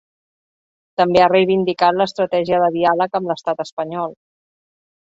També ha reivindicat l’estratègia de diàleg amb l’estat espanyol.